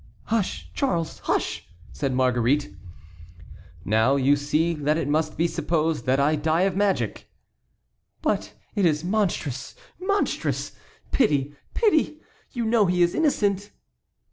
"Hush, Charles, hush!" said Marguerite. "Now you see that it must be supposed that I die of magic." "But it is monstrous, monstrous! Pity! Pity! you know he is innocent."